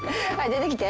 出てきて。